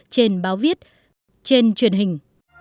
trên báo viết trên truyền hình